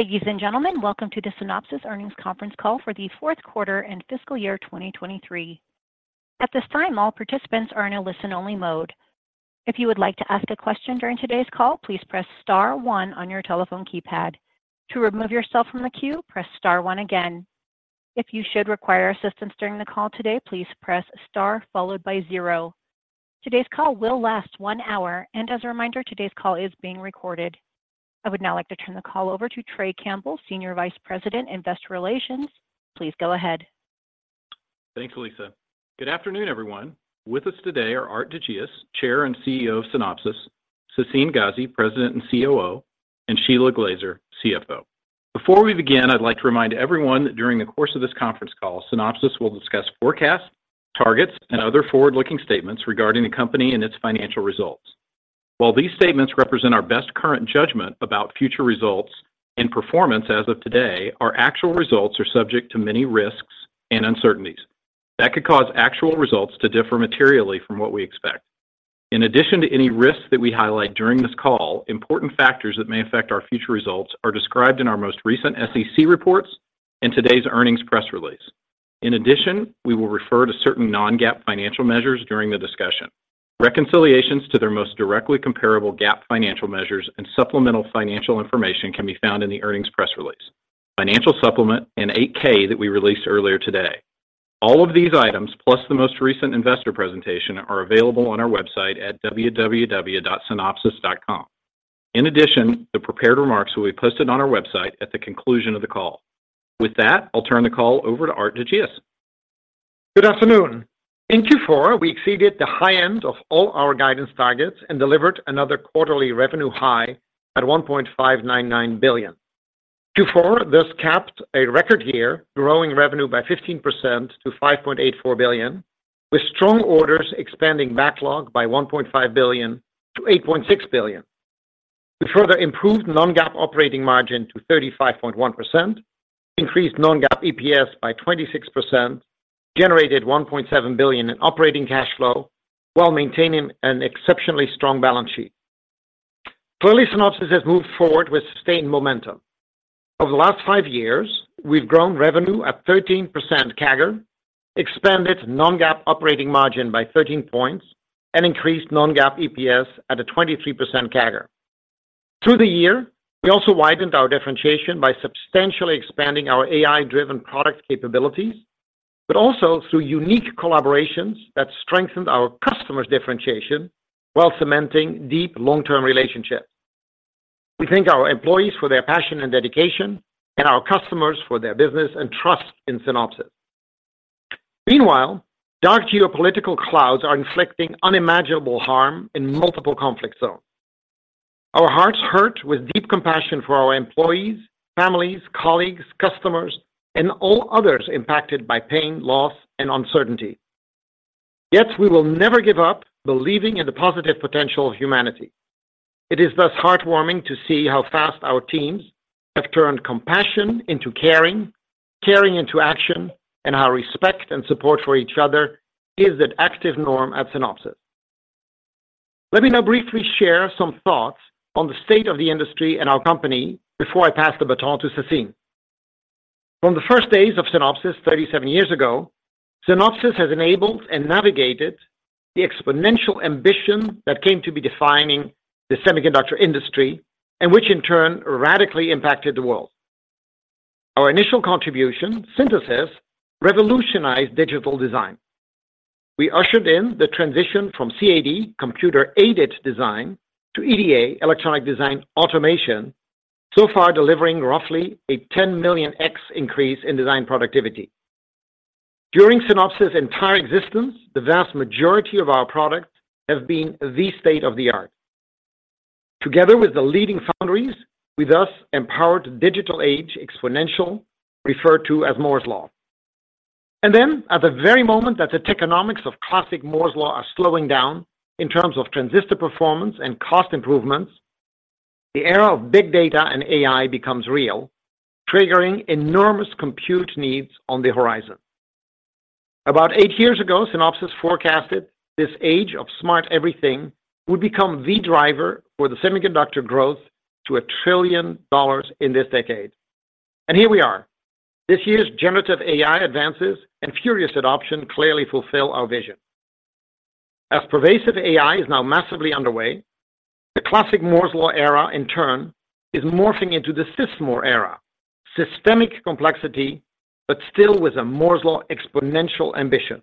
Ladies and gentlemen, welcome to the Synopsys Earnings Conference Call for the fourth quarter and fiscal year 2023. At this time, all participants are in a listen-only mode. If you would like to ask a question during today's call, please press star one on your telephone keypad. To remove yourself from the queue, press star one again. If you should require assistance during the call today, please press star followed by zero. Today's call will last one hour, and as a reminder, today's call is being recorded. I would now like to turn the call over to Trey Campbell, Senior Vice President, Investor Relations. Please go ahead. Thanks, Lisa. Good afternoon, everyone. With us today are Aart de Geus, Chair and CEO of Synopsys, Sassine Ghazi, President and COO, and Shelagh Glaser, CFO. Before we begin, I'd like to remind everyone that during the course of this conference call, Synopsys will discuss forecasts, targets, and other forward-looking statements regarding the company and its financial results. While these statements represent our best current judgment about future results and performance as of today, our actual results are subject to many risks and uncertainties. That could cause actual results to differ materially from what we expect. In addition to any risks that we highlight during this call, important factors that may affect our future results are described in our most recent SEC reports and today's earnings press release. In addition, we will refer to certain Non-GAAP financial measures during the discussion. Reconciliations to their most directly comparable GAAP financial measures and supplemental financial information can be found in the earnings press release, financial supplement, and 8-K that we released earlier today. All of these items, plus the most recent investor presentation, are available on our website at www.synopsys.com. In addition, the prepared remarks will be posted on our website at the conclusion of the call. With that, I'll turn the call over to Aart de Geus. Good afternoon. In Q4, we exceeded the high end of all our guidance targets and delivered another quarterly revenue high at $1.599 billion. Q4 thus capped a record year, growing revenue by 15% to $5.84 billion, with strong orders expanding backlog by $1.5 billion to $8.6 billion. We further improved non-GAAP operating margin to 35.1%, increased non-GAAP EPS by 26%, generated $1.7 billion in operating cash flow, while maintaining an exceptionally strong balance sheet. Clearly, Synopsys has moved forward with sustained momentum. Over the last five years, we've grown revenue at 13% CAGR, expanded non-GAAP operating margin by 13 points, and increased non-GAAP EPS at a 23% CAGR. Through the year, we also widened our differentiation by substantially expanding our AI-driven product capabilities, but also through unique collaborations that strengthened our customers' differentiation while cementing deep long-term relationships. We thank our employees for their passion and dedication and our customers for their business and trust in Synopsys. Meanwhile, dark geopolitical clouds are inflicting unimaginable harm in multiple conflict zones. Our hearts hurt with deep compassion for our employees, families, colleagues, customers, and all others impacted by pain, loss, and uncertainty. Yet we will never give up believing in the positive potential of humanity. It is thus heartwarming to see how fast our teams have turned compassion into caring, caring into action, and how respect and support for each other is an active norm at Synopsys. Let me now briefly share some thoughts on the state of the industry and our company before I pass the baton to Sassine. From the first days of Synopsys, 37 years ago, Synopsys has enabled and navigated the exponential ambition that came to be defining the semiconductor industry and which in turn radically impacted the world. Our initial contribution, Synthesis, revolutionized digital design. We ushered in the transition from CAD, computer-aided design, to EDA, electronic design automation, so far delivering roughly a 10 million X increase in design productivity. During Synopsys entire existence, the vast majority of our products have been the state of the art. Together with the leading foundries, we thus empowered digital age exponential, referred to as Moore's Law. And then, at the very moment that the technomics of classic Moore's Law are slowing down in terms of transistor performance and cost improvements, the era of big data and AI becomes real, triggering enormous compute needs on the horizon. About eight years ago, Synopsys forecasted this age of smart everything would become the driver for the semiconductor growth to $1 trillion in this decade. Here we are. This year's generative AI advances and furious adoption clearly fulfill our vision. As pervasive AI is now massively underway, the classic Moore's Law era, in turn, is morphing into the SysMoore era. Systemic complexity, but still with a Moore's Law exponential ambition.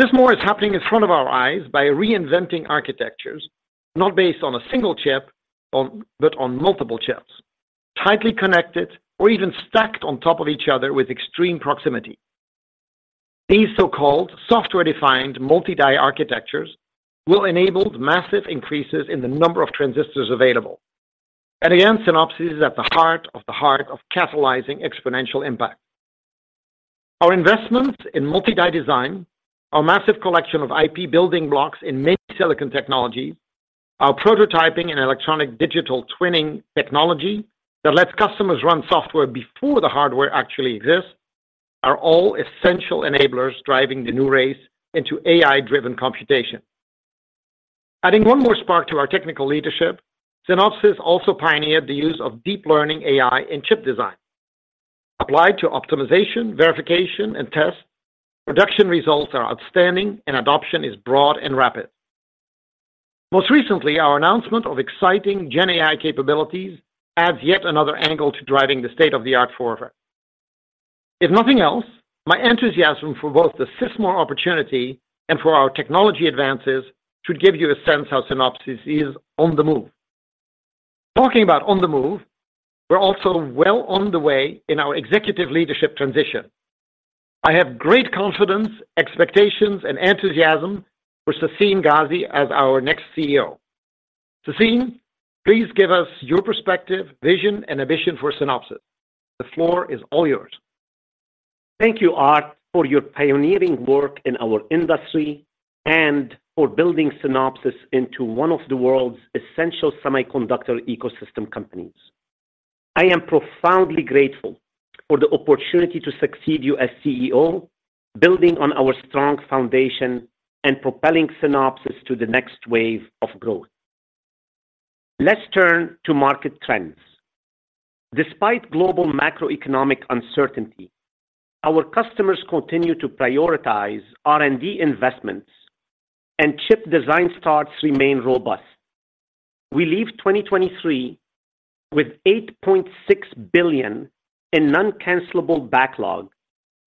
SysMoore is happening in front of our eyes by reinventing architectures, not based on a single chip, but on multiple chips, tightly connected or even stacked on top of each other with extreme proximity. These so-called software-defined multi-die architectures will enable massive increases in the number of transistors available. And again, Synopsys is at the heart of the heart of catalyzing exponential impact. Our investments in multi-die design, our massive collection of IP building blocks in many silicon technologies, our prototyping and electronic digital twinning technology that lets customers run software before the hardware actually exists, are all essential enablers driving the new race into AI-driven computation. Adding one more spark to our technical leadership, Synopsys also pioneered the use of deep learning AI in chip design. Applied to optimization, verification, and test, production results are outstanding and adoption is broad and rapid. Most recently, our announcement of exciting GenAI capabilities adds yet another angle to driving the state-of-the-art forward. If nothing else, my enthusiasm for both the SysMoore opportunity and for our technology advances should give you a sense how Synopsys is on the move. Talking about on the move, we're also well on the way in our executive leadership transition. I have great confidence, expectations, and enthusiasm for Sassine Ghazi as our next CEO. Sassine, please give us your perspective, vision, and ambition for Synopsys. The floor is all yours. Thank you, Aart, for your pioneering work in our industry and for building Synopsys into one of the world's essential semiconductor ecosystem companies. I am profoundly grateful for the opportunity to succeed you as CEO, building on our strong foundation and propelling Synopsys to the next wave of growth. Let's turn to market trends. Despite global macroeconomic uncertainty, our customers continue to prioritize R&D investments, and chip design starts remain robust. We leave 2023 with $8.6 billion in non-cancellable backlog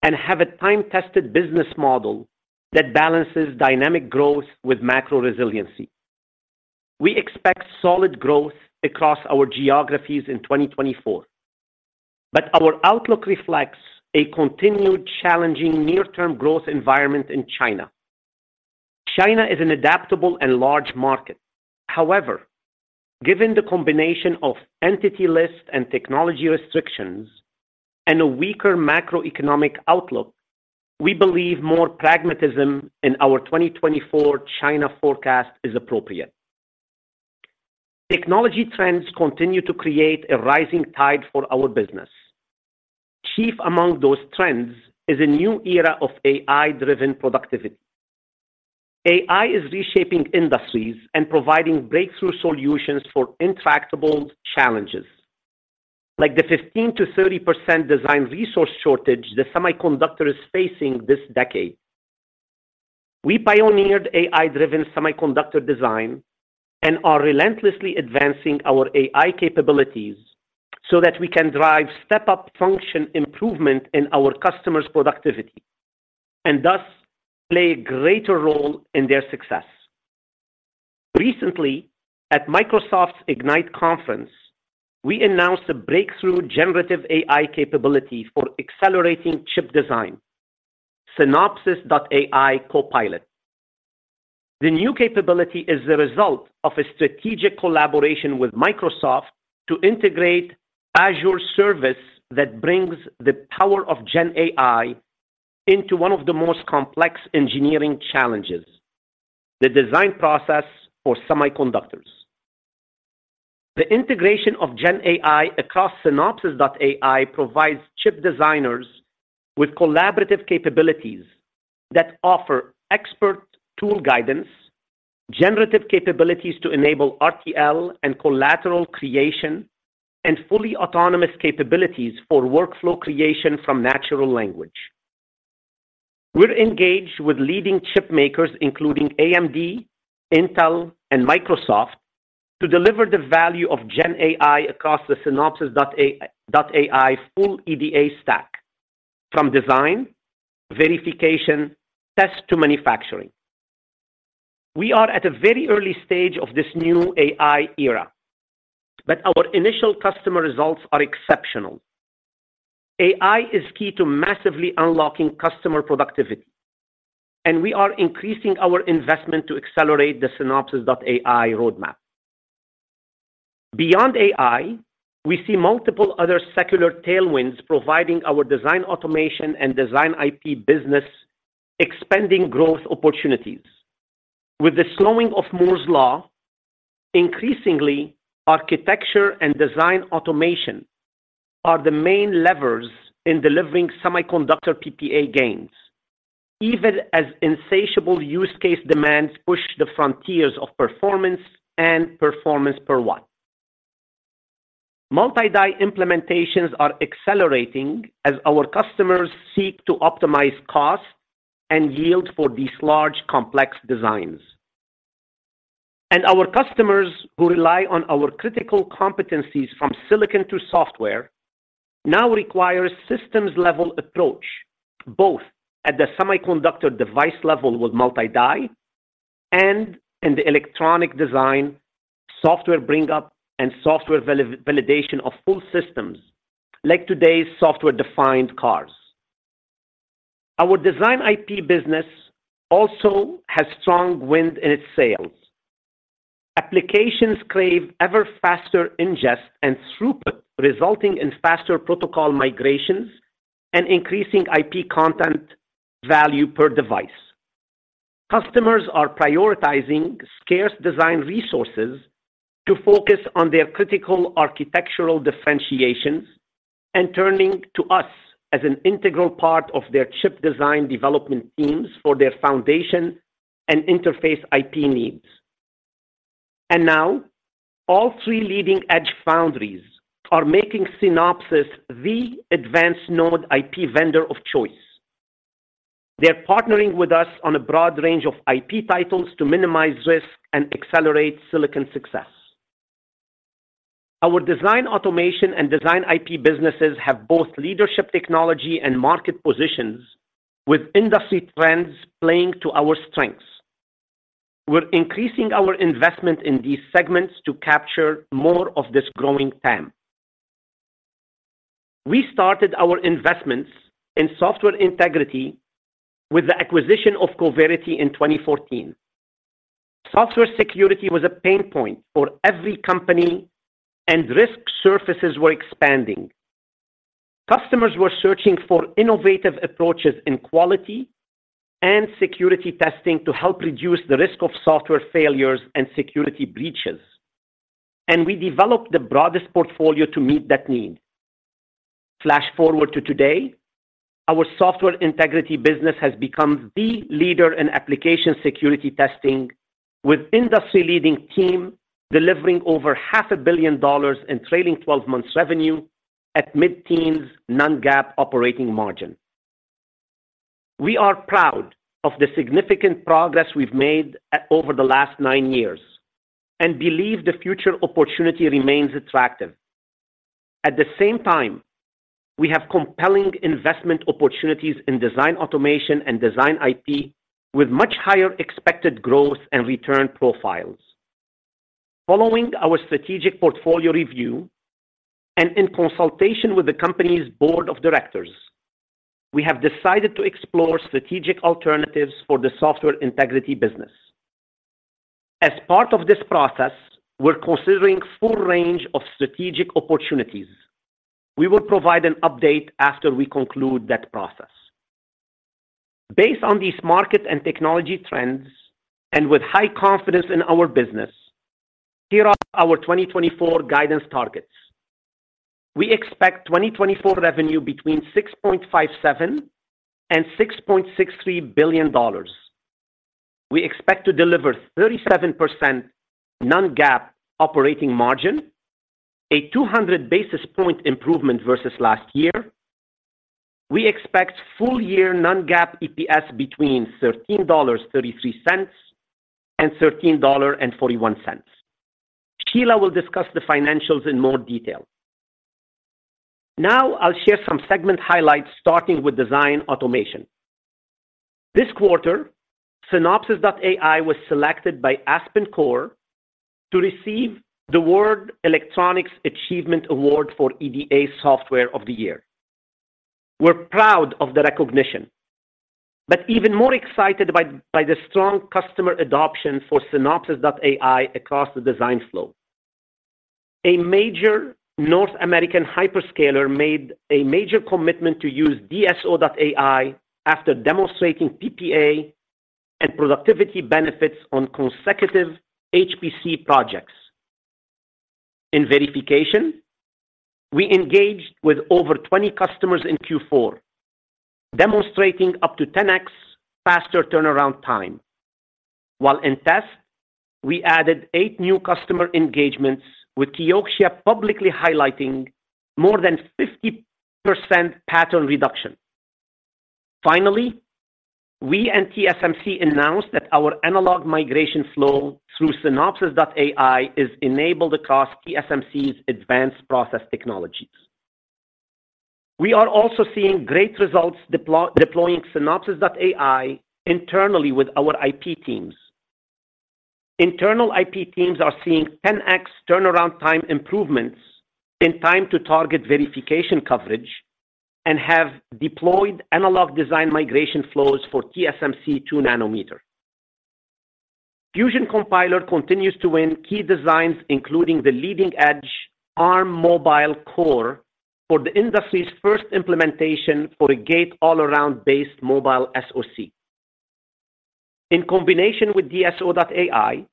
and have a time-tested business model that balances dynamic growth with macro resiliency. We expect solid growth across our geographies in 2024, but our outlook reflects a continued challenging near-term growth environment in China. China is an adaptable and large market. However, given the combination of entity lists and technology restrictions and a weaker macroeconomic outlook, we believe more pragmatism in our 2024 China forecast is appropriate. Technology trends continue to create a rising tide for our business. Chief among those trends is a new era of AI-driven productivity. AI is reshaping industries and providing breakthrough solutions for intractable challenges, like the 15%-30% design resource shortage the semiconductor is facing this decade. We pioneered AI-driven semiconductor design and are relentlessly advancing our AI capabilities so that we can drive step-up function improvement in our customers' productivity, and thus play a greater role in their success. Recently, at Microsoft's Ignite conference, we announced a breakthrough generative AI capability for accelerating chip design, Synopsys.ai Copilot. The new capability is the result of a strategic collaboration with Microsoft to integrate Azure service that brings the power of GenAI into one of the most complex engineering challenges, the design process for semiconductors. The integration of GenAI across Synopsys.ai provides chip designers with collaborative capabilities that offer expert tool guidance, generative capabilities to enable RTL and collateral creation, and fully autonomous capabilities for workflow creation from natural language. We're engaged with leading chip makers, including AMD, Intel, and Microsoft, to deliver the value of GenAI across the Synopsys.ai full EDA stack, from design, verification, test to manufacturing. We are at a very early stage of this new AI era, but our initial customer results are exceptional. AI is key to massively unlocking customer productivity, and we are increasing our investment to accelerate the Synopsys.ai roadmap. Beyond AI, we see multiple other secular tailwinds providing our design automation and design IP business, expanding growth opportunities. With the slowing of Moore's Law, increasingly, architecture and design automation are the main levers in delivering semiconductor PPA gains, even as insatiable use case demands push the frontiers of performance and performance per watt. Multi-die implementations are accelerating as our customers seek to optimize cost and yield for these large, complex designs. Our customers who rely on our critical competencies from silicon to software now require systems-level approach, both at the semiconductor device level with multi-die and in the electronic design, software bring up, and software validation of full systems, like today's software-defined cars. Our design IP business also has strong wind in its sails. Applications crave ever faster ingest and throughput, resulting in faster protocol migrations and increasing IP content value per device. Customers are prioritizing scarce design resources to focus on their critical architectural differentiations and turning to us as an integral part of their chip design development teams for their foundation and interface IP needs. And now, all three leading-edge foundries are making Synopsys the advanced node IP vendor of choice. They're partnering with us on a broad range of IP titles to minimize risk and accelerate silicon success. Our design automation and design IP businesses have both leadership, technology, and market positions, with industry trends playing to our strengths. We're increasing our investment in these segments to capture more of this growing TAM. We started our investments in software integrity with the acquisition of Coverity in 2014. Software security was a pain point for every company, and risk surfaces were expanding. Customers were searching for innovative approaches in quality and security testing to help reduce the risk of software failures and security breaches. We developed the broadest portfolio to meet that need. Flash forward to today, our software integrity business has become the leader in application security testing, with industry-leading team delivering over $500 million in trailing twelve months revenue at mid-teens non-GAAP operating margin. We are proud of the significant progress we've made over the last nine years and believe the future opportunity remains attractive. At the same time, we have compelling investment opportunities in design automation and design IP, with much higher expected growth and return profiles. Following our strategic portfolio review and in consultation with the company's board of directors, we have decided to explore strategic alternatives for the software integrity business. As part of this process, we're considering full range of strategic opportunities. We will provide an update after we conclude that process. Based on these market and technology trends and with high confidence in our business, here are our 2024 guidance targets. We expect 2024 revenue between $6.57 billion and $6.63 billion. We expect to deliver 37% non-GAAP operating margin, a 200 basis point improvement versus last year. We expect full-year non-GAAP EPS between $13.33 and $13.41.Shelagh will discuss the financials in more detail. Now, I'll share some segment highlights, starting with design automation. This quarter, Synopsys.ai was selected by AspenCore to receive the World Electronics Achievement Award for EDA Software of the Year. We're proud of the recognition, but even more excited by the strong customer adoption for Synopsys.ai across the design flow. A major North American hyperscaler made a major commitment to use DSO.ai after demonstrating PPA and productivity benefits on consecutive HPC projects. In verification, we engaged with over 20 customers in Q4, demonstrating up to 10x faster turnaround time. While in test, we added eight new customer engagements, with Kioxia publicly highlighting more than 50% pattern reduction. Finally, we and TSMC announced that our analog migration flow through Synopsys.ai is enabled across TSMC's advanced process technologies. We are also seeing great results deploying Synopsys.ai internally with our IP teams. Internal IP teams are seeing 10x turnaround time improvements in time to target verification coverage and have deployed analog design migration flows for TSMC 2 nanometer. Fusion Compiler continues to win key designs, including the leading-edge Arm mobile core, for the industry's first implementation for a gate-all-around based mobile SoC. In combination with DSO.ai,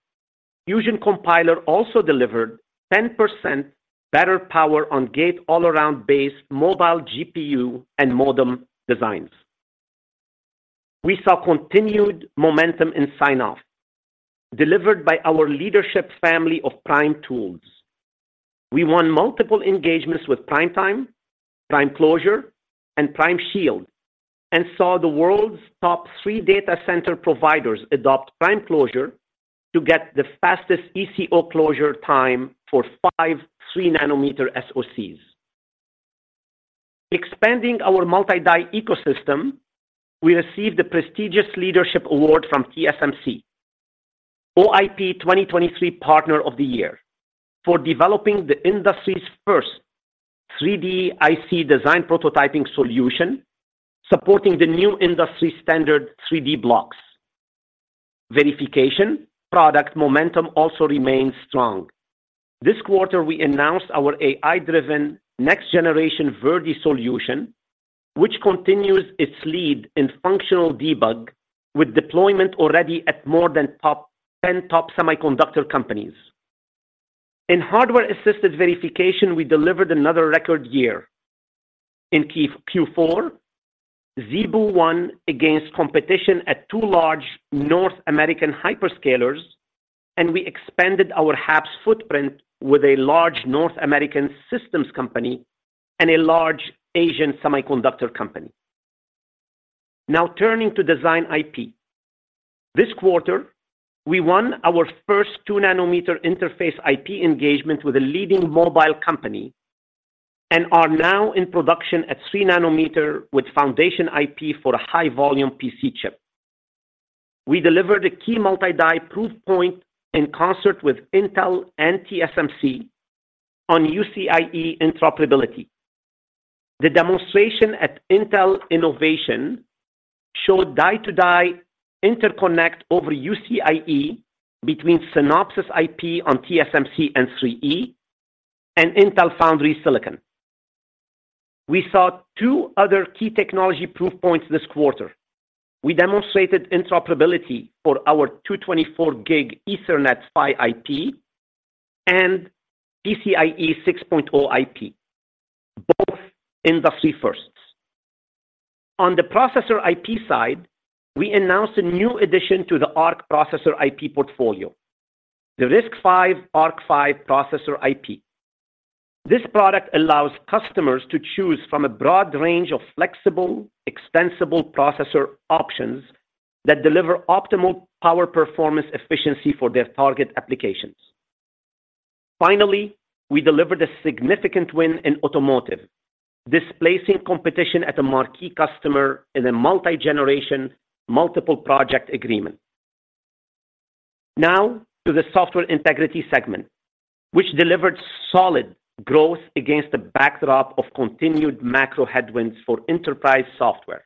Fusion Compiler also delivered 10% better power on gate-all-around based mobile GPU and modem designs. We saw continued momentum in sign-off, delivered by our leadership family of Prime tools. We won multiple engagements with PrimeTime, PrimeClosure, and PrimeShield, and saw the world's top three data center providers adopt PrimeClosure to get the fastest ECO closure time for 5-3 nanometer SoCs. Expanding our multi-die ecosystem, we received the prestigious leadership award from TSMC, OIP 2023 Partner of the Year, for developing the industry's first 3D IC design prototyping solution, supporting the new industry standard 3Dblox. Verification product momentum also remains strong. This quarter, we announced our AI-driven next generation Verdi solution,... which continues its lead in functional debug, with deployment already at more than top 10 semiconductor companies. In hardware-assisted verification, we delivered another record year. In Q4, ZeBu won against competition at 2 large North American hyperscalers, and we expanded our HAPS footprint with a large North American systems company and a large Asian semiconductor company. Now turning to design IP. This quarter, we won our first 2-nanometer interface IP engagement with a leading mobile company, and are now in production at 3 nanometer with foundation IP for a high-volume PC chip. We delivered a key multi-die proof point in concert with Intel and TSMC on UCIe interoperability. The demonstration at Intel Innovation showed die-to-die interconnect over UCIe between Synopsys IP on TSMC N3E and Intel Foundry Silicon. We saw 2 other key technology proof points this quarter. We demonstrated interoperability for our 224 gig Ethernet PHY IP and PCIe 6.0 IP, both industry firsts. On the processor IP side, we announced a new addition to the ARC processor IP portfolio, the RISC-V ARC-V processor IP. This product allows customers to choose from a broad range of flexible, extensible processor options that deliver optimal power performance efficiency for their target applications. Finally, we delivered a significant win in automotive, displacing competition at a marquee customer in a multi-generation, multiple project agreement. Now, to the software integrity segment, which delivered solid growth against a backdrop of continued macro headwinds for enterprise software.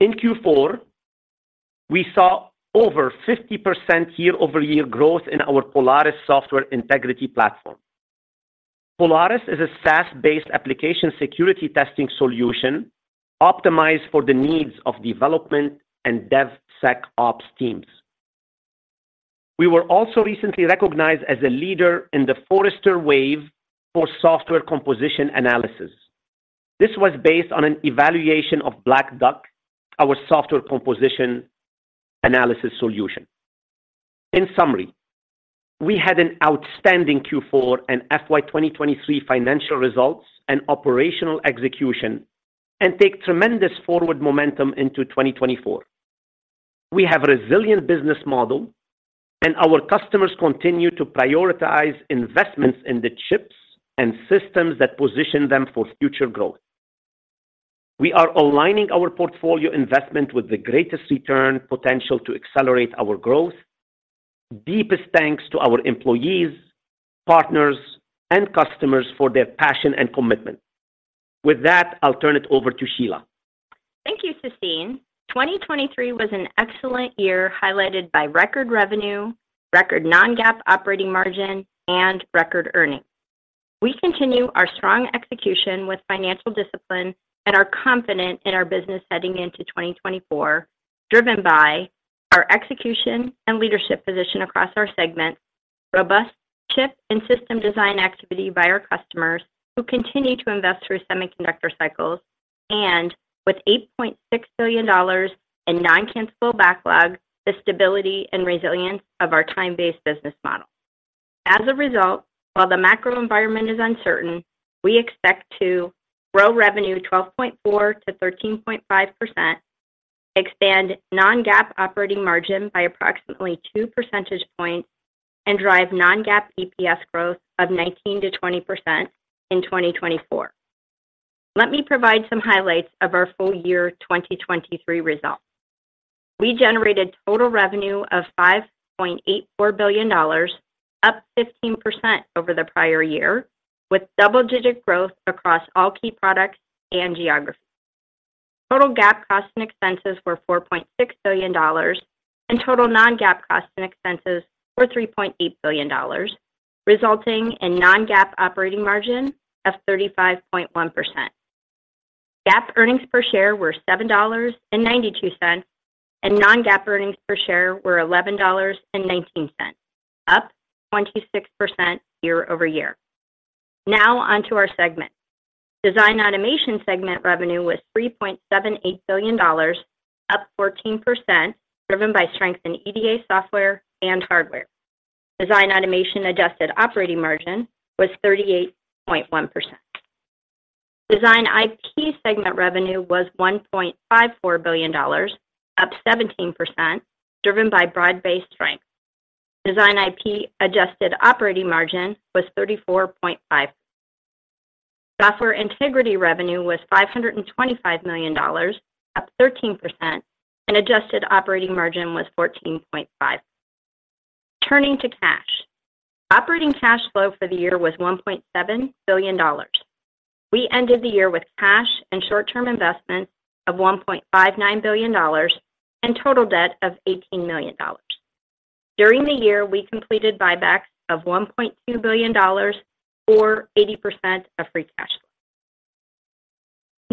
In Q4, we saw over 50% year-over-year growth in our Polaris software integrity platform. Polaris is a SaaS-based application security testing solution optimized for the needs of development and DevSecOps teams. We were also recently recognized as a leader in the Forrester Wave for software composition analysis. This was based on an evaluation of Black Duck, our software composition analysis solution. In summary, we had an outstanding Q4 and FY 2023 financial results and operational execution, and take tremendous forward momentum into 2024. We have a resilient business model, and our customers continue to prioritize investments in the chips and systems that position them for future growth. We are aligning our portfolio investment with the greatest return potential to accelerate our growth. Deepest thanks to our employees, partners, and customers for their passion and commitment. With that, I'll turn it over to Shelagh. Thank you, Sassine. 2023 was an excellent year, highlighted by record revenue, record non-GAAP operating margin, and record earnings. We continue our strong execution with financial discipline and are confident in our business heading into 2024, driven by our execution and leadership position across our segments, robust chip and system design activity by our customers, who continue to invest through semiconductor cycles, and with $8.6 billion in non-cancellable backlog, the stability and resilience of our time-based business model. As a result, while the macro environment is uncertain, we expect to grow revenue 12.4%-13.5%, expand non-GAAP operating margin by approximately two percentage points, and drive non-GAAP EPS growth of 19%-20% in 2024. Let me provide some highlights of our full year 2023 results. We generated total revenue of $5.84 billion, up 15% over the prior year, with double-digit growth across all key products and geographies. Total GAAP costs and expenses were $4.6 billion, and total non-GAAP costs and expenses were $3.8 billion, resulting in non-GAAP operating margin of 35.1%. GAAP earnings per share were $7.92, and non-GAAP earnings per share were $11.19, up 26% year-over-year. Now, on to our segment. Design automation segment revenue was $3.78 billion, up 14%, driven by strength in EDA software and hardware. Design automation adjusted operating margin was 38.1%. Design IP segment revenue was $1.54 billion, up 17%, driven by broad-based strength. Design IP adjusted operating margin was 34.5%. Software integrity revenue was $525 million, up 13%, and adjusted operating margin was 14.5%. Turning to cash. Operating cash flow for the year was $1.7 billion. We ended the year with cash and short-term investments of $1.59 billion, and total debt of $18 million. During the year, we completed buybacks of $1.2 billion, or 80% of free cash flow.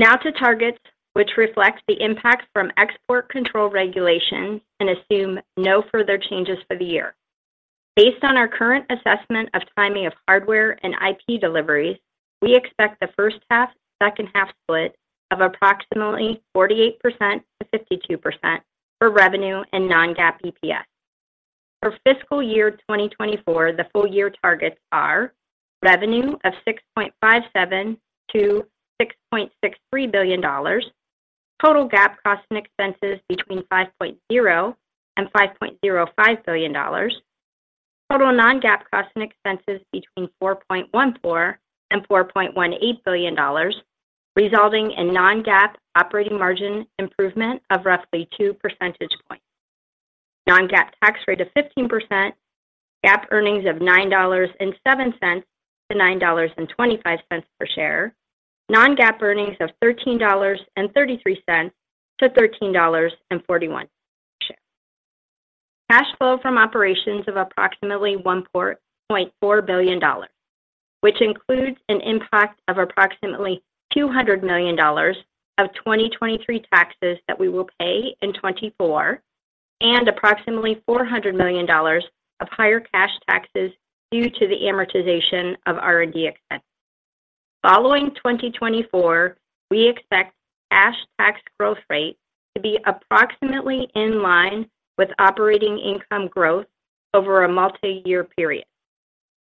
Now to targets, which reflect the impact from export control regulations and assume no further changes for the year. Based on our current assessment of timing of hardware and IP deliveries, we expect the first half, second half split of approximately 48%-52% for revenue and non-GAAP EPS. For fiscal year 2024, the full year targets are: revenue of $6.57 billion-$6.63 billion, total GAAP costs and expenses between $5.0 billion-$5.05 billion, total non-GAAP costs and expenses between $4.14 billion-$4.18 billion, resulting in non-GAAP operating margin improvement of roughly 2 percentage points. Non-GAAP tax rate of 15%, GAAP earnings of $9.07-$9.25 per share. Non-GAAP earnings of $13.33-$13.41 per share. Cash flow from operations of approximately $1.4 billion, which includes an impact of approximately $200 million of 2023 taxes that we will pay in 2024, and approximately $400 million of higher cash taxes due to the amortization of R&D expenses. Following 2024, we expect cash tax growth rate to be approximately in line with operating income growth over a multi-year period.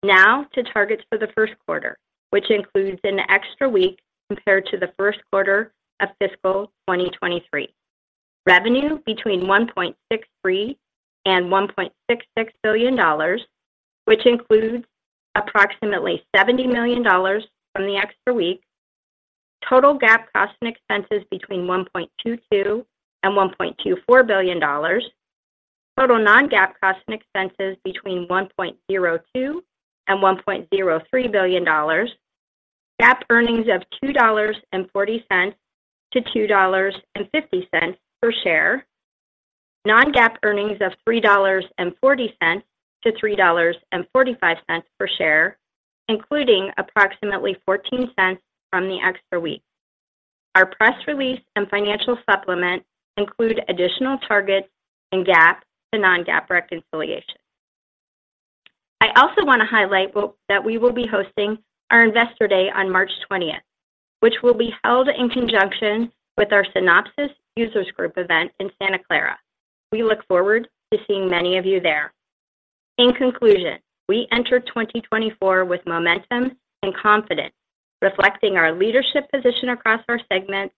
Now, to targets for the first quarter, which includes an extra week compared to the first quarter of fiscal 2023. Revenue between $1.63 billion and $1.66 billion, which includes approximately $70 million from the extra week. Total GAAP costs and expenses between $1.22 billion and $1.24 billion. Total non-GAAP costs and expenses between $1.02 billion and $1.03 billion. GAAP earnings of $2.40-$2.50 per share. Non-GAAP earnings of $3.40-$3.45 per share, including approximately $0.14 from the extra week. Our press release and financial supplement include additional targets and GAAP to non-GAAP reconciliation. I also want to highlight that we will be hosting our Investor Day on March 20th, which will be held in conjunction with our Synopsys Users Group event in Santa Clara. We look forward to seeing many of you there. In conclusion, we enter 2024 with momentum and confidence, reflecting our leadership position across our segments,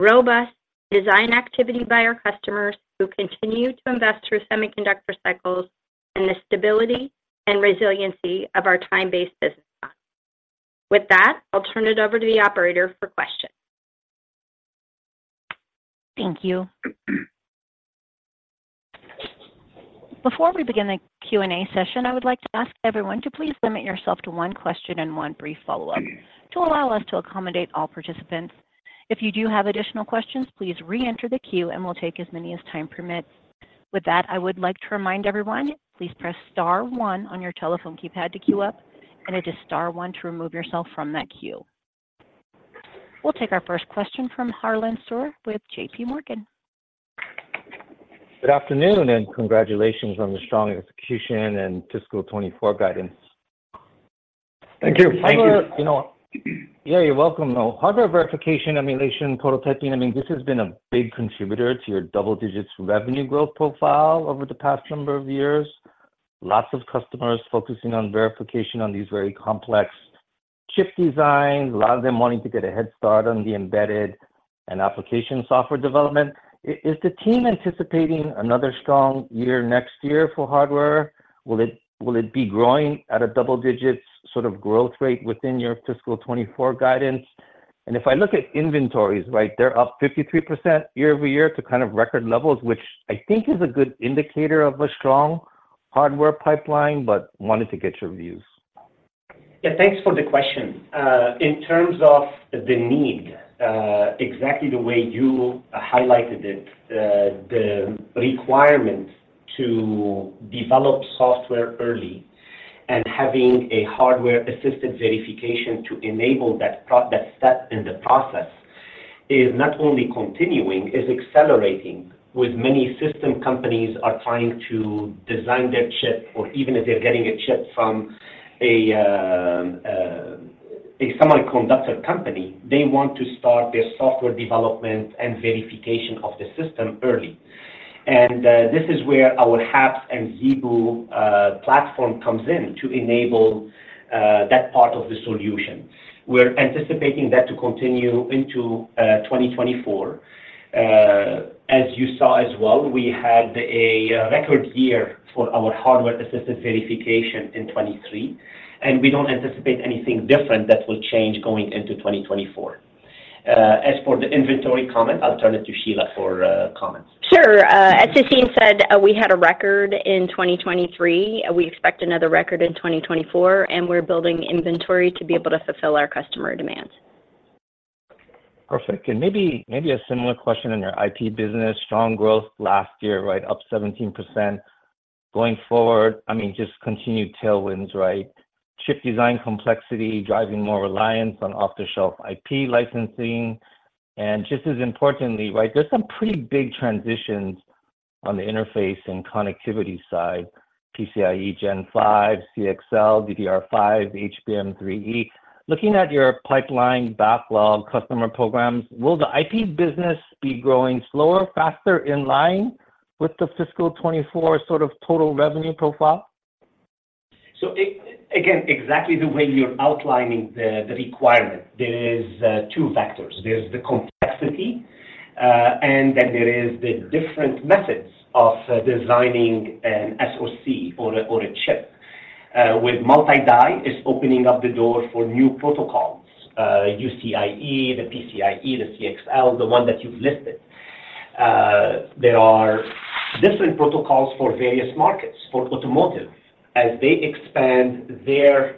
robust design activity by our customers, who continue to invest through semiconductor cycles, and the stability and resiliency of our time-based business model. With that, I'll turn it over to the operator for questions. Thank you. Before we begin the Q&A session, I would like to ask everyone to please limit yourself to one question and one brief follow-up, to allow us to accommodate all participants. If you do have additional questions, please reenter the queue, and we'll take as many as time permits. With that, I would like to remind everyone, please press star one on your telephone keypad to queue up, and it is star one to remove yourself from that queue. We'll take our first question from Harlan Sur with J.P. Morgan. Good afternoon, and congratulations on the strong execution and fiscal 2024 guidance. Thank you. Thank you. You know. Yeah, you're welcome, though. Hardware verification, emulation, prototyping, I mean, this has been a big contributor to your double-digits revenue growth profile over the past number of years. Lots of customers focusing on verification on these very complex chip designs, a lot of them wanting to get a head start on the embedded and application software development. Is the team anticipating another strong year next year for hardware? Will it be growing at a double digits sort of growth rate within your fiscal 2024 guidance? And if I look at inventories, right, they're up 53% year-over-year to kind of record levels, which I think is a good indicator of a strong hardware pipeline, but wanted to get your views. Yeah, thanks for the question. In terms of the need, exactly the way you highlighted it, the requirement to develop software early and having a hardware-assisted verification to enable that step in the process is not only continuing, is accelerating with many system companies are trying to design their chip, or even if they're getting a chip from a semiconductor company, they want to start their software development and verification of the system early. And this is where our HAPS and ZeBu platform comes in to enable that part of the solution. We're anticipating that to continue into 2024. As you saw as well, we had a record year for our hardware-assisted verification in 2023, and we don't anticipate anything different that will change going into 2024. As for the inventory comment, I'll turn it to Shelagh for comments. Sure. As Sassine said, we had a record in 2023. We expect another record in 2024, and we're building inventory to be able to fulfill our customer demands.... Perfect, and maybe, maybe a similar question in your IP business. Strong growth last year, right? Up 17%. Going forward, I mean, just continued tailwinds, right? Chip design complexity, driving more reliance on off-the-shelf IP licensing, and just as importantly, right, there's some pretty big transitions on the interface and connectivity side, PCIe Gen 5, CXL, DDR5, HBM3E. Looking at your pipeline backlog customer programs, will the IP business be growing slower, faster, in line with the fiscal 2024 sort of total revenue profile? So again, exactly the way you're outlining the requirement. There are two factors: there's the complexity, and then there is the different methods of designing a SoC or a chip. With multi-die, it's opening up the door for new protocols, UCIe, the PCIe, the CXL, the one that you've listed. There are different protocols for various markets. For automotive, as they expand their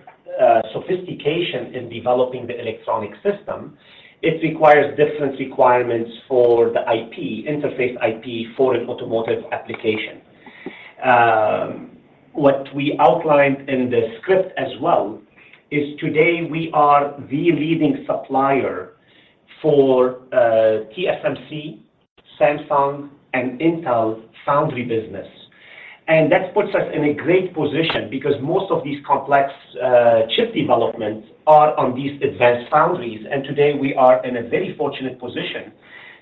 sophistication in developing the electronic system, it requires different requirements for the IP, interface IP for an automotive application. What we outlined in the script as well, is today we are the leading supplier for TSMC, Samsung, and Intel foundry business. That puts us in a great position because most of these complex chip developments are on these advanced foundries, and today, we are in a very fortunate position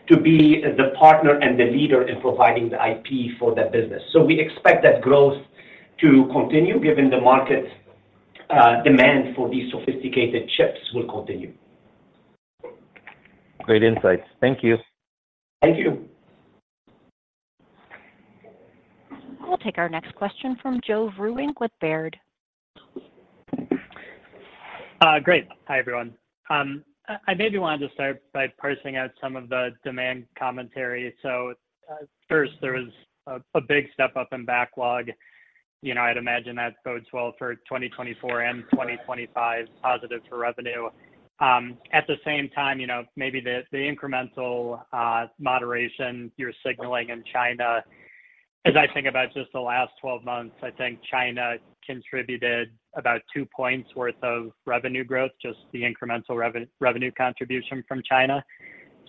to be the partner and the leader in providing the IP for that business. We expect that growth to continue, given the market demand for these sophisticated chips will continue. Great insights. Thank you. Thank you. I'll take our next question from Joe Vruwink with Baird. Great. Hi, everyone. I maybe wanted to start by parsing out some of the demand commentary. So, first, there was a big step up in backlog. You know, I'd imagine that bodes well for 2024 and 2025, positive for revenue. At the same time, you know, maybe the incremental moderation you're signaling in China, as I think about just the last 12 months, I think China contributed about 2 points' worth of revenue growth, just the incremental revenue contribution from China.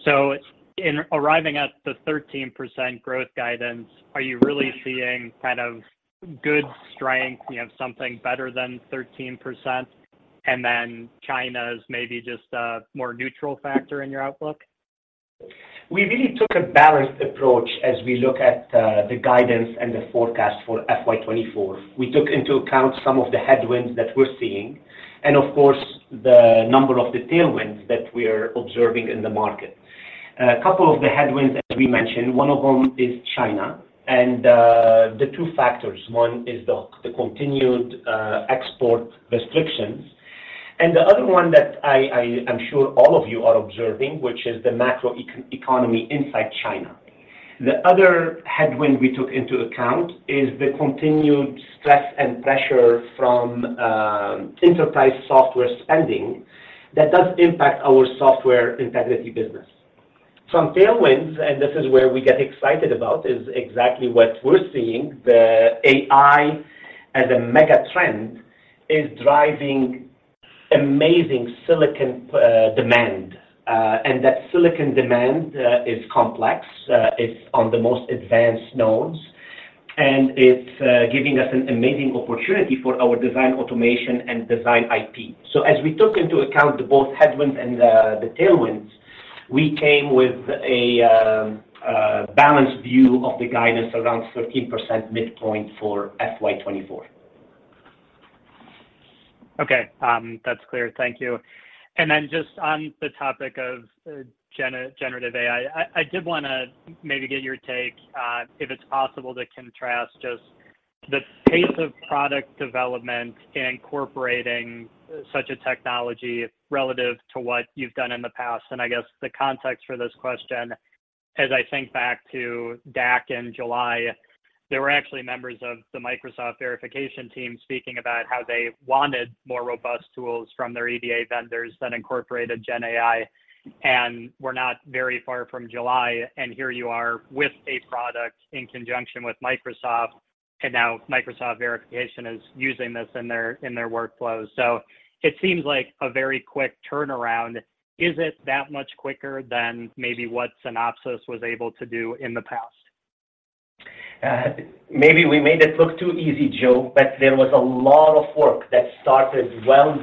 So in arriving at the 13% growth guidance, are you really seeing kind of good strength, you know, something better than 13%, and then China is maybe just a more neutral factor in your outlook? We really took a balanced approach as we look at the guidance and the forecast for FY 2024. We took into account some of the headwinds that we're seeing, and of course, the number of the tailwinds that we are observing in the market. A couple of the headwinds that we mentioned, one of them is China, and the two factors: one is the continued export restrictions, and the other one that I, I'm sure all of you are observing, which is the macro economy inside China. The other headwind we took into account is the continued stress and pressure from enterprise software spending that does impact our software integrity business. Some tailwinds, and this is where we get excited about, is exactly what we're seeing, the AI as a mega trend is driving amazing silicon demand. And that silicon demand is complex, it's on the most advanced nodes, and it's giving us an amazing opportunity for our design automation and design IP. So as we took into account both headwinds and the tailwinds, we came with a balanced view of the guidance around 13% midpoint for FY 2024. Okay. That's clear. Thank you. And then just on the topic of generative AI, I did want to maybe get your take, if it's possible, to contrast just the pace of product development in incorporating such a technology relative to what you've done in the past. And I guess the context for this question, as I think back to DAC in July, there were actually members of the Microsoft verification team speaking about how they wanted more robust tools from their EDA vendors that incorporated GenAI, and we're not very far from July, and here you are with a product in conjunction with Microsoft, and now Microsoft verification is using this in their workflows. So it seems like a very quick turnaround. Is it that much quicker than maybe what Synopsys was able to do in the past? Maybe we made it look too easy, Joe, but there was a lot of work that started well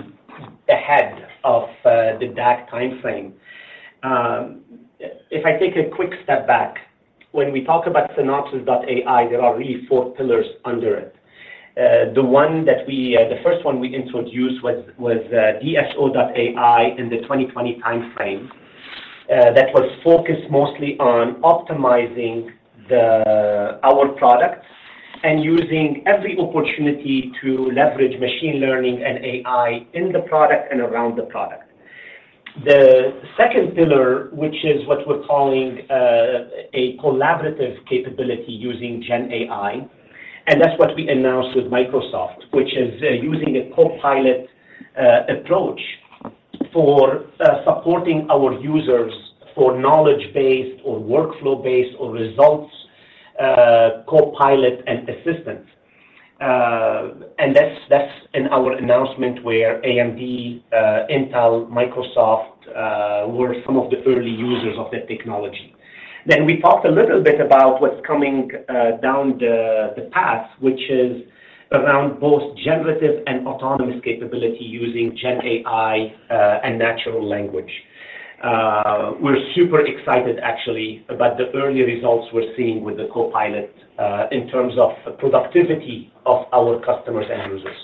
ahead of the DAC timeframe. If I take a quick step back, when we talk about Synopsys.ai, there are really four pillars under it. The first one we introduced was DSO.ai in the 2020 timeframe. That was focused mostly on optimizing our products and using every opportunity to leverage machine learning and AI in the product and around the product. The second pillar, which is what we're calling a collaborative capability using GenAI. And that's what we announced with Microsoft, which is using a copilot approach for supporting our users for knowledge-based or workflow-based or results, copilot and assistance. And that's, that's in our announcement where AMD, Intel, Microsoft were some of the early users of that technology. Then we talked a little bit about what's coming down the path, which is around both generative and autonomous capability using GenAI and natural language. We're super excited actually about the early results we're seeing with the Copilot in terms of the productivity of our customers and users.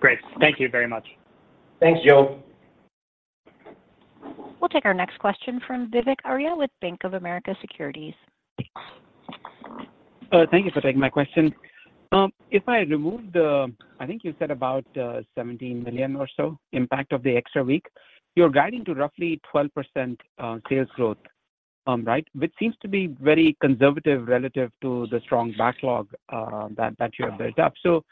Great. Thank you very much. Thanks, Joe. We'll take our next question from Vivek Arya with Bank of America Securities. Thank you for taking my question. If I remove the... I think you said about, $17 million or so impact of the extra week, you're guiding to roughly 12% sales growth, right? Which seems to be very conservative relative to the strong backlog, that, that you have built up. So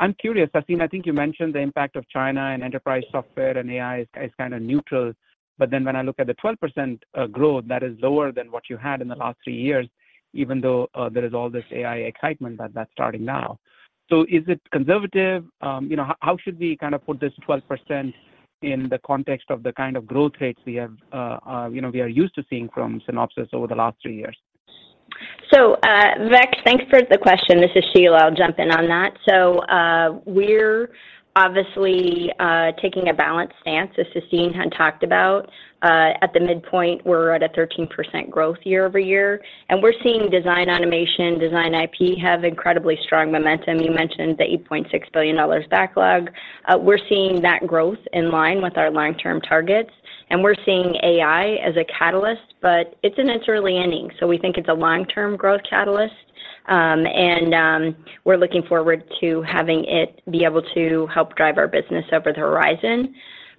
I'm curious, I think, I think you mentioned the impact of China and enterprise software and AI is, is kind of neutral, but then when I look at the 12% growth, that is lower than what you had in the last three years, even though, there is all this AI excitement that's starting now. So is it conservative? You know, how should we kind of put this 12% in the context of the kind of growth rates we have, you know, we are used to seeing from Synopsys over the last three years? So, Vivek, thanks for the question. This is Sheila, I'll jump in on that. So, we're obviously taking a balanced stance, as Sassine had talked about. At the midpoint, we're at a 13% growth year-over-year, and we're seeing design automation, design IP, have incredibly strong momentum. You mentioned the $8.6 billion backlog. We're seeing that growth in line with our long-term targets, and we're seeing AI as a catalyst, but it's in its early inning, so we think it's a long-term growth catalyst. And, we're looking forward to having it be able to help drive our business over the horizon.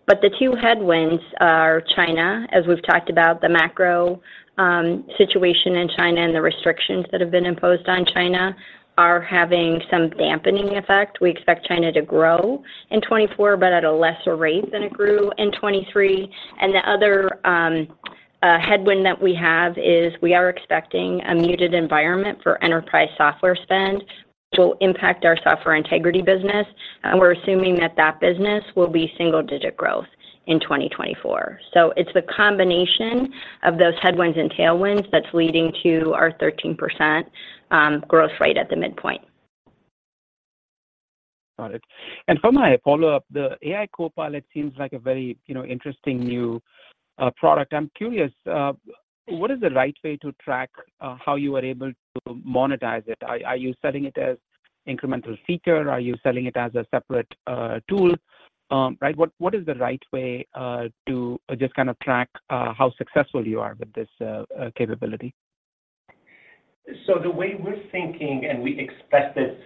But the two headwinds are China, as we've talked about, the macro situation in China and the restrictions that have been imposed on China are having some dampening effect. We expect China to grow in 2024, but at a lesser rate than it grew in 2023. The other headwind that we have is we are expecting a muted environment for enterprise software spend, which will impact our software integrity business, and we're assuming that that business will be single-digit growth in 2024. It's the combination of those headwinds and tailwinds that's leading to our 13% growth rate at the midpoint. Got it. And for my follow-up, the AI Copilot seems like a very, you know, interesting new product. I'm curious, what is the right way to track how you are able to monetize it? Are, are you selling it as incremental feature? Are you selling it as a separate tool? Right, what, what is the right way to just kind of track how successful you are with this capability? So the way we're thinking, and we expressed this,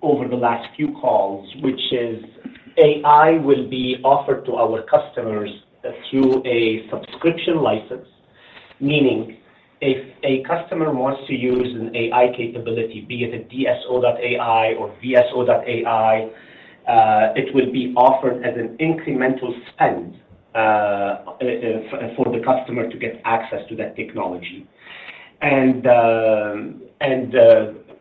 over the last few calls, which is AI will be offered to our customers through a subscription license. Meaning, if a customer wants to use an AI capability, be it a DSO.ai or VSO.ai, it will be offered as an incremental spend, for the customer to get access to that technology. And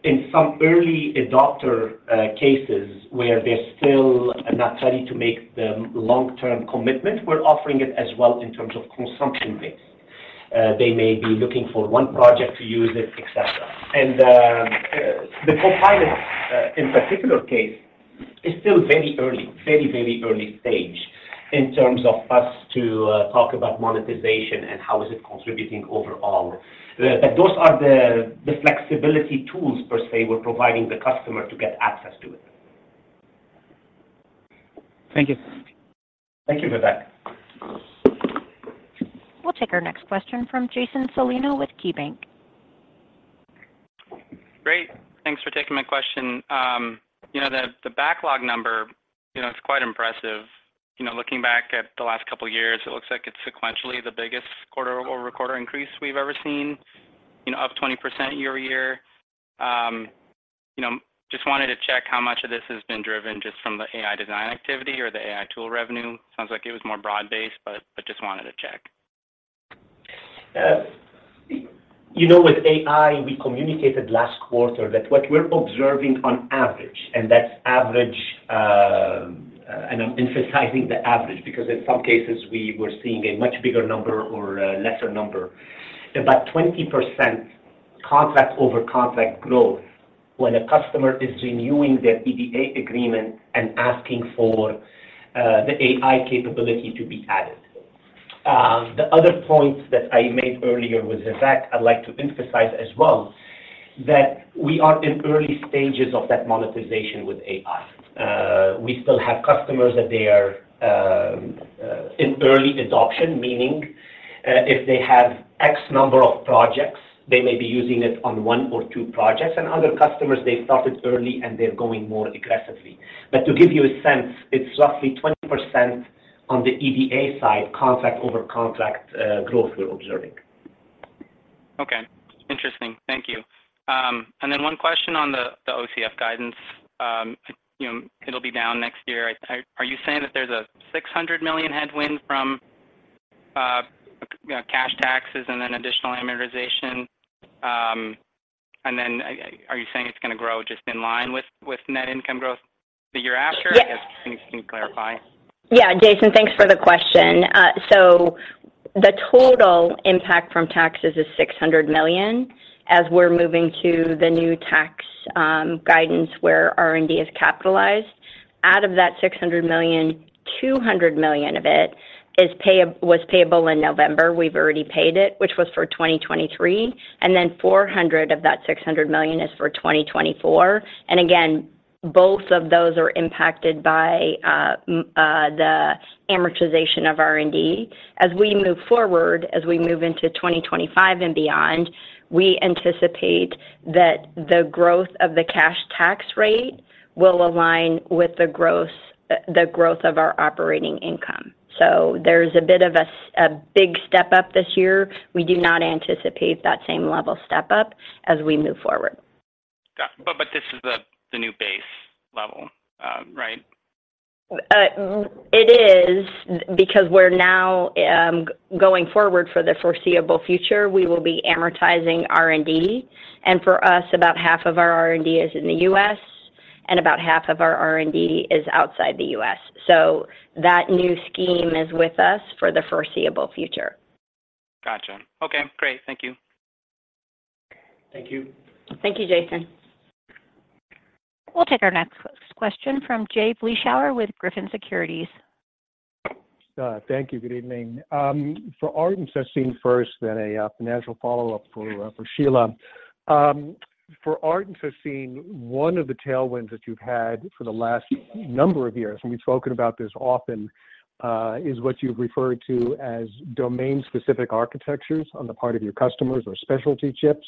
in some early adopter cases where they're still not ready to make the long-term commitment, we're offering it as well in terms of consumption base. They may be looking for one project to use it, et cetera. And the Copilot in particular case is still very early, very, very early stage in terms of us to talk about monetization and how is it contributing overall. But those are the flexibility tools, per se, we're providing the customer to get access to it. Thank you. Thank you for that. We'll take our next question from Jason Celino with KeyBanc. Great, thanks for taking my question. You know, the backlog number, you know, is quite impressive. You know, looking back at the last couple of years, it looks like it's sequentially the biggest quarter-over-quarter increase we've ever seen, you know, up 20% year-over-year. You know, just wanted to check how much of this has been driven just from the AI design activity or the AI tool revenue. Sounds like it was more broad-based, but just wanted to check. You know, with AI, we communicated last quarter that what we're observing on average, and that's average, and I'm emphasizing the average, because in some cases we were seeing a much bigger number or a lesser number. About 20% contract-over-contract growth when a customer is renewing their EDA agreement and asking for the AI capability to be added. The other point that I made earlier with Vivek, I'd like to emphasize as well, that we are in early stages of that monetization with AI. We still have customers that they are in early adoption, meaning if they have X number of projects, they may be using it on one or two projects, and other customers, they started early and they're going more aggressively. But to give you a sense, it's roughly 20%-... on the EDA side, contract over contract, growth we're observing. Okay. Interesting. Thank you. And then one question on the OCF guidance, you know, it'll be down next year. Are you saying that there's a $600 million headwind from, you know, cash taxes and then additional amortization? And then are you saying it's gonna grow just in line with net income growth the year after? Yes- If you can clarify. Yeah, Jason, thanks for the question. So the total impact from taxes is $600 million, as we're moving to the new tax guidance, where R&D is capitalized. Out of that $600 million, $200 million of it was payable in November, we've already paid it, which was for 2023, and then $400 million of that $600 million is for 2024. And again, both of those are impacted by the amortization of R&D. As we move forward, as we move into 2025 and beyond, we anticipate that the growth of the cash tax rate will align with the growth of our operating income. So there's a bit of a big step up this year. We do not anticipate that same level step up as we move forward. Got it. But this is the new base level, right? It is, because we're now going forward for the foreseeable future, we will be amortizing R&D, and for us, about half of our R&D is in the U.S., and about half of our R&D is outside the U.S. That new scheme is with us for the foreseeable future. Gotcha. Okay, great. Thank you. Thank you. Thank you, Jason. We'll take our next question from Jay Vleeschhouwer with Griffin Securities. Thank you. Good evening. For Sassine first, then a financial follow-up for Shelagh. For Sassine, one of the tailwinds that you've had for the last number of years, and we've spoken about this often, is what you've referred to as domain-specific architectures on the part of your customers or specialty chips,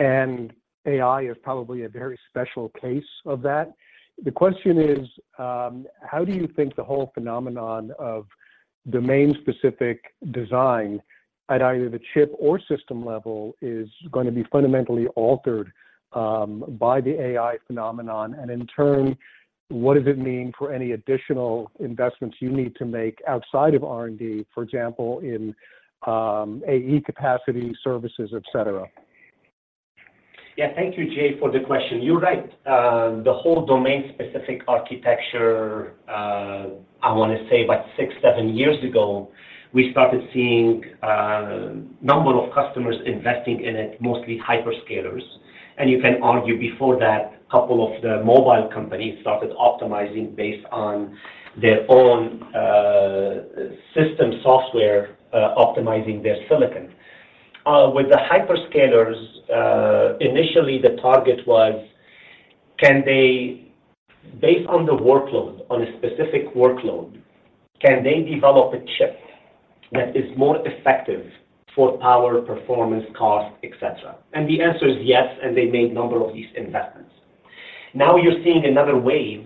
and AI is probably a very special case of that. The question is, how do you think the whole phenomenon of domain-specific design at either the chip or system level is going to be fundamentally altered by the AI phenomenon? And in turn, what does it mean for any additional investments you need to make outside of R&D, for example, in AE capacity, services, et cetera? Yeah. Thank you, Jay, for the question. You're right. The whole domain-specific architecture, I want to say about 6, 7 years ago, we started seeing number of customers investing in it, mostly hyperscalers. And you can argue before that, a couple of the mobile companies started optimizing based on their own system software, optimizing their silicon. With the hyperscalers, initially, the target was, can they -- based on the workload, on a specific workload, can they develop a chip that is more effective for power, performance, cost, et cetera? And the answer is yes, and they made a number of these investments. Now, you're seeing another wave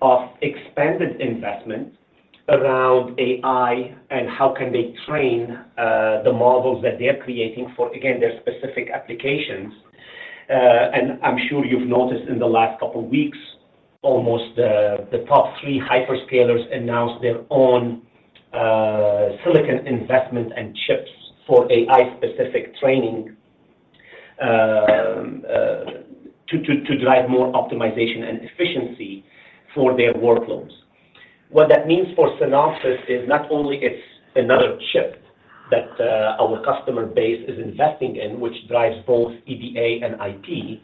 of expanded investment around AI, and how can they train the models that they're creating for, again, their specific applications. And I'm sure you've noticed in the last couple of weeks, almost, the top three hyperscalers announced their own, silicon investment and chips for AI-specific training, to drive more optimization and efficiency for their workloads. What that means for Synopsys is not only it's another chip that, our customer base is investing in, which drives both EDA and IP,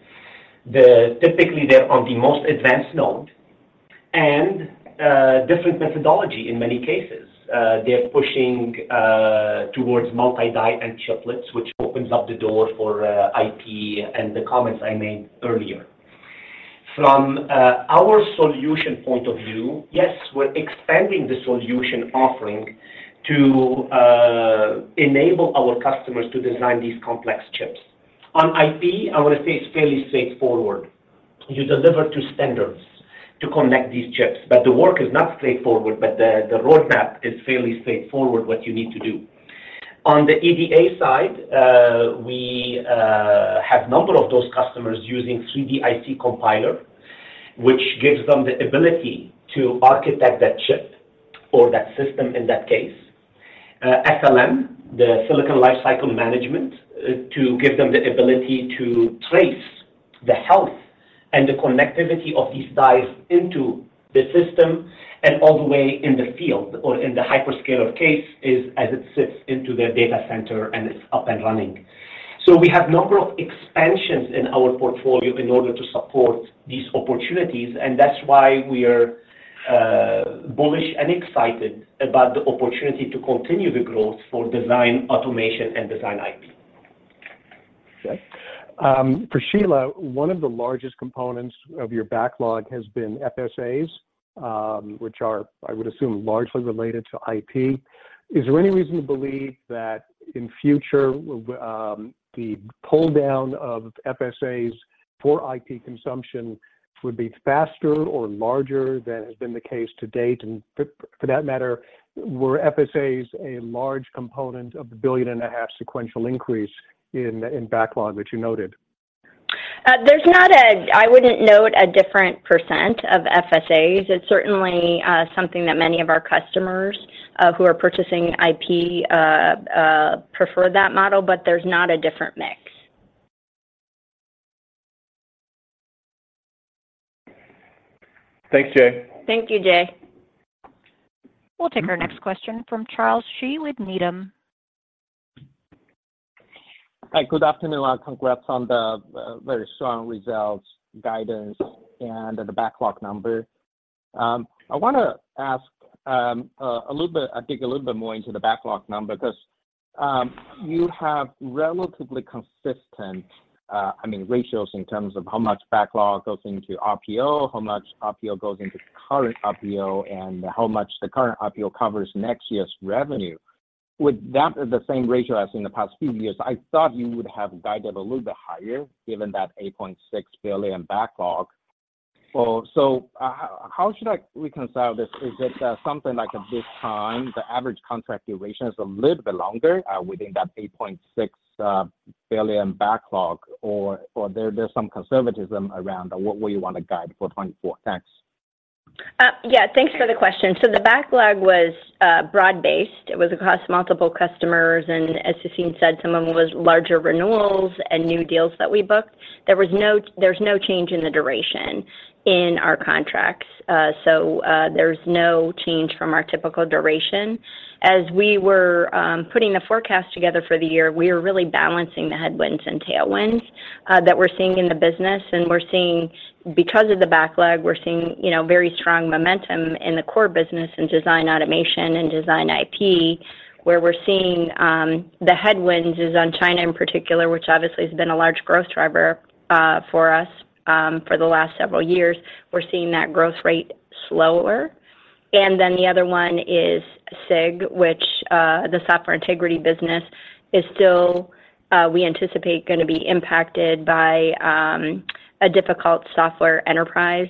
typically, they're on the most advanced node, and different methodology in many cases. They're pushing, towards multi-die and chiplets, which opens up the door for, IP and the comments I made earlier. From our solution point of view, yes, we're expanding the solution offering to enable our customers to design these complex chips. On IP, I want to say it's fairly straightforward. You deliver to standards to connect these chips, but the work is not straightforward, but the roadmap is fairly straightforward what you need to do. On the EDA side, we have number of those customers using 3D IC Compiler, which gives them the ability to architect that chip or that system, in that case. SLM, the Silicon Lifecycle Management, to give them the ability to trace the health and the connectivity of these dies into the system and all the way in the field, or in the hyperscaler case, is as it sits into their data center and it's up and running. So we have number of expansions in our portfolio in order to support these opportunities, and that's why we are bullish and excited about the opportunity to continue the growth for design automation and design IP. Okay. For Shelagh, one of the largest components of your backlog has been FSAs, which are, I would assume, largely related to IP. Is there any reason to believe that in future, the pull-down of FSAs-... for IP consumption would be faster or larger than has been the case to date? And for that matter, were FSAs a large component of the $1.5 billion sequential increase in backlog that you noted? I wouldn't note a different % of FSAs. It's certainly something that many of our customers who are purchasing IP prefer that model, but there's not a different mix. Thanks, Jay. Thank you, Jay. We'll take our next question from Charles Shi with Needham. Hi, good afternoon, and congrats on the very strong results, guidance, and the backlog number. I want to ask a little bit. I dig a little bit more into the backlog number, because you have relatively consistent, I mean, ratios in terms of how much backlog goes into RPO, how much RPO goes into current RPO, and how much the current RPO covers next year's revenue. With that, the same ratio as in the past few years, I thought you would have guided a little bit higher, given that $8.6 billion backlog. So how should I reconcile this? Is it something like at this time, the average contract duration is a little bit longer within that $8.6 billion backlog, or there's some conservatism around what we want to guide for 2024? Thanks. Yeah. Thanks for the question. So the backlog was broad-based. It was across multiple customers, and as Sassine said, some of them was larger renewals and new deals that we booked. There's no change in the duration in our contracts, so there's no change from our typical duration. As we were putting the forecast together for the year, we are really balancing the headwinds and tailwinds that we're seeing in the business. And we're seeing, because of the backlog, we're seeing, you know, very strong momentum in the core business in design automation and design IP, where we're seeing the headwinds is on China in particular, which obviously has been a large growth driver for us for the last several years. We're seeing that growth rate slower. And then the other one is SIG, which, the software integrity business is still, we anticipate, going to be impacted by, a difficult software enterprise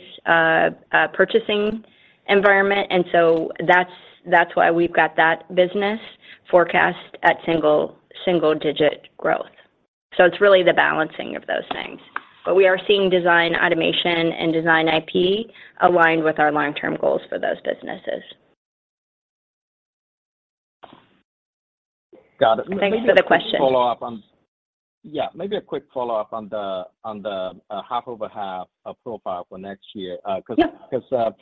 purchasing environment. And so that's why we've got that business forecast at single-digit growth. So it's really the balancing of those things. But we are seeing design automation and design IP aligned with our long-term goals for those businesses. Got it. Thanks for the question. Follow up on... Yeah, maybe a quick follow-up on the half over half profile for next year. Yeah. Because,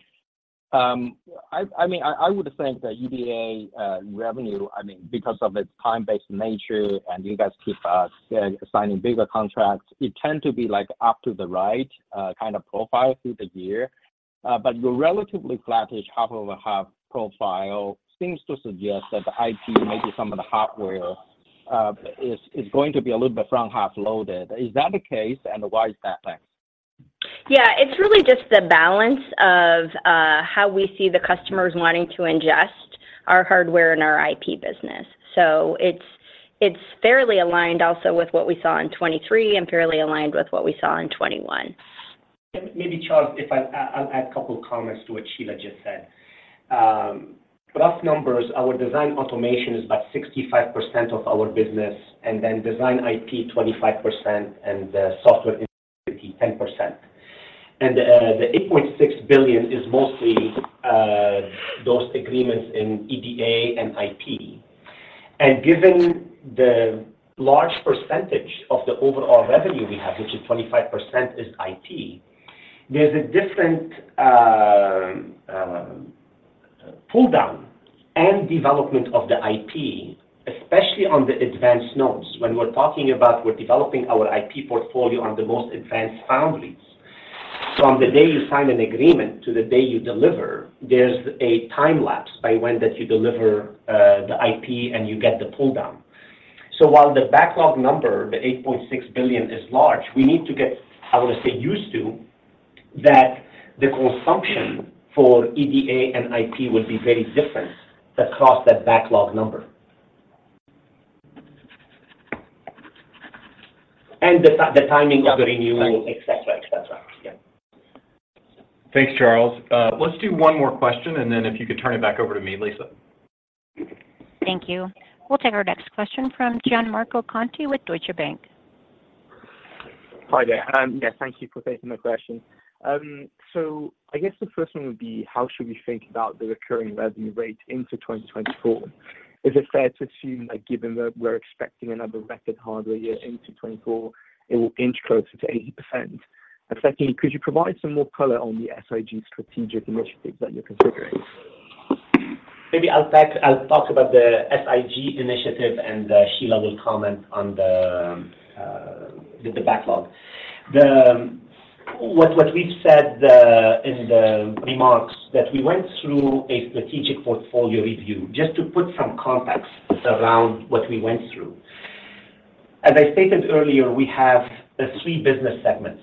I mean, I would think that EDA revenue, I mean, because of its time-based nature, and you guys keep signing bigger contracts, it tend to be like up to the right kind of profile through the year. But your relatively flattish half-over-half profile seems to suggest that the IP, maybe some of the hardware, is going to be a little bit front half loaded. Is that the case, and why is that like? Yeah, it's really just the balance of how we see the customers wanting to ingest our hardware and our IP business. So it's fairly aligned also with what we saw in 2023 and fairly aligned with what we saw in 2021. Maybe, Charles, if I’ll add a couple of comments to what Shelagh just said. Rough numbers, our design automation is about 65% of our business, and then design IP, 25%, and the software IP, 10%. And the $8.6 billion is mostly those agreements in EDA and IP. And given the large percentage of the overall revenue we have, which is 25% is IP, there’s a different pull down and development of the IP, especially on the advanced nodes, when we’re talking about we’re developing our IP portfolio on the most advanced foundries. So from the day you sign an agreement to the day you deliver, there’s a time lapse by when that you deliver the IP and you get the pull down. So while the backlog number, the $8.6 billion, is large, we need to get, I would say, used to, that the consumption for EDA and IP will be very different across that backlog number. And the timing of the renewal. Et cetera, et cetera. Yeah. Thanks, Charles. Let's do one more question, and then if you could turn it back over to me, Lisa. Thank you. We'll take our next question from Gianmarco Conti with Deutsche Bank. Hi there. Yeah, thank you for taking my question. So I guess the first one would be: How should we think about the recurring revenue rate into 2024? Is it fair to assume that given that we're expecting another record hardware year into 2024, it will inch closer to 80%? And secondly, could you provide some more color on the SIG strategic initiatives that you're considering? Maybe I'll talk about the SIG initiative, and Shelagh will comment on the backlog. What we've said in the remarks, that we went through a strategic portfolio review, just to put some context around what we went through. As I stated earlier, we have the 3 business segments,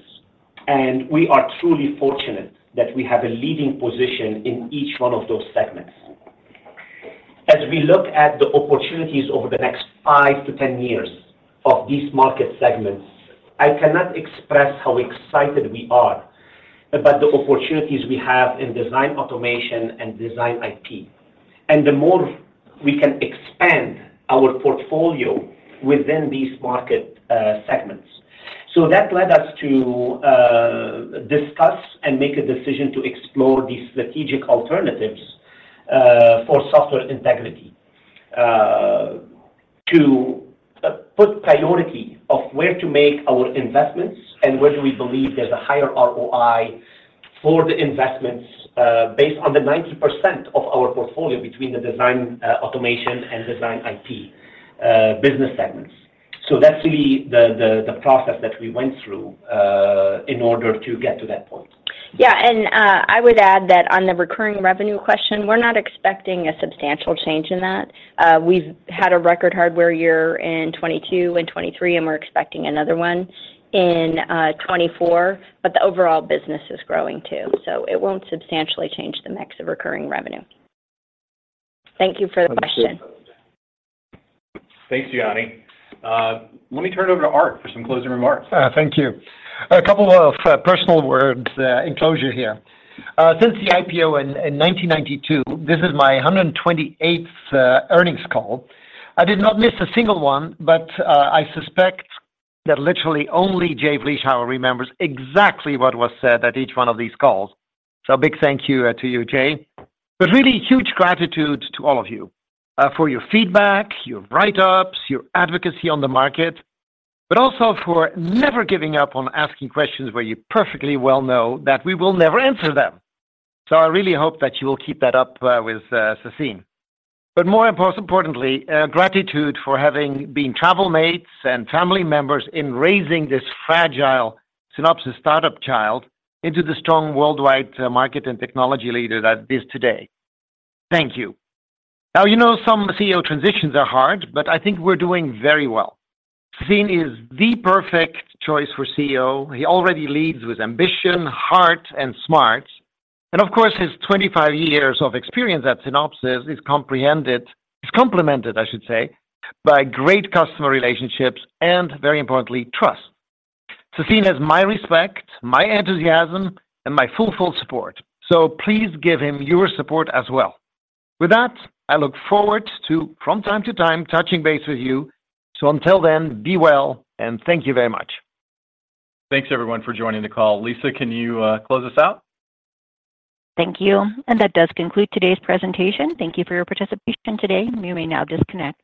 and we are truly fortunate that we have a leading position in each one of those segments. As we look at the opportunities over the next 5-10 years of these market segments, I cannot express how excited we are about the opportunities we have in design automation and design IP, and the more we can expand our portfolio within these market segments. So that led us to discuss and make a decision to explore these strategic alternatives for software integrity to put priority of where to make our investments and where do we believe there's a higher ROI for the investments based on the 90% of our portfolio between the design automation and design IP business segments. So that's really the process that we went through in order to get to that point. Yeah, and I would add that on the recurring revenue question, we're not expecting a substantial change in that. We've had a record hardware year in 2022 and 2023, and we're expecting another one in 2024, but the overall business is growing too, so it won't substantially change the mix of recurring revenue. Thank you for the question. Thanks, Gianni. Let me turn it over to Aart for some closing remarks. Thank you. A couple of personal words in closure here. Since the IPO in 1992, this is my 128th earnings call. I did not miss a single one, but I suspect that literally only Jay Blischower remembers exactly what was said at each one of these calls. So a big thank you to you, Jay. But really, huge gratitude to all of you for your feedback, your write-ups, your advocacy on the market, but also for never giving up on asking questions where you perfectly well know that we will never answer them. So I really hope that you will keep that up with Sassine. But most importantly, gratitude for having been travel mates and family members in raising this fragile Synopsys startup child into the strong worldwide market and technology leader that it is today. Thank you. Now, you know, some CEO transitions are hard, but I think we're doing very well. Sassine is the perfect choice for CEO. He already leads with ambition, heart, and smarts, and of course, his 25 years of experience at Synopsys is comprehended, is complemented, I should say, by great customer relationships and, very importantly, trust. Sassine has my respect, my enthusiasm, and my full, full support, so please give him your support as well. With that, I look forward to, from time to time, touching base with you. So until then, be well, and thank you very much. Thanks, everyone, for joining the call. Lisa, can you close us out? Thank you, and that does conclude today's presentation. Thank you for your participation today. You may now disconnect.